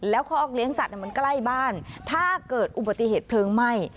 แล้วคอกเลี้ยงสัตว์มันใกล้บ้านถ้าเกิดอุบัติเหตุเพลิงไหม้